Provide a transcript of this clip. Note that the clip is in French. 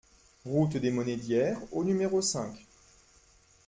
route des Monédières au numéro cinq